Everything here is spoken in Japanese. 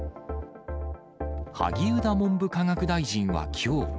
萩生田文部科学大臣はきょう。